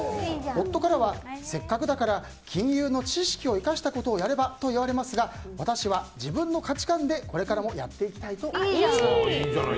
夫からは、せっかくだから金融の知識を生かしたことをやれば？と言われますが私は自分の価値観でこれからもやっていきたいと思います。